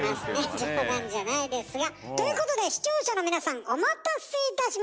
冗談じゃないですがということで視聴者の皆さんお待たせいたしました！